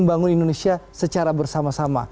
membangun indonesia secara bersama sama